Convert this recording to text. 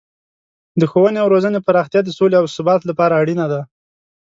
د ښوونې او روزنې پراختیا د سولې او ثبات لپاره اړینه ده.